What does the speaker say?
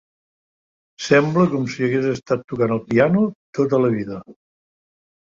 Sembla com si hagués estat tocant el piano tota la vida.